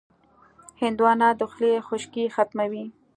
هندوانه د خولې خشکي ختموي.